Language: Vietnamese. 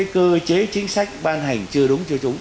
cơ chế chính sách ban hành chưa đúng chưa trúng